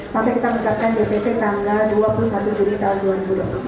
sampai kita menetapkan dpt tanggal dua puluh satu juli tahun dua ribu dua puluh dua